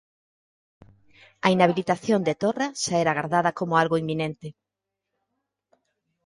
A inhabilitación de Torra xa era agardada como algo inminente.